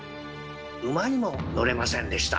馬にも乗れませんでした。